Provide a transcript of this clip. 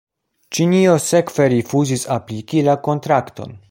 Ĉinio sekve rifuzis apliki la kontrakton.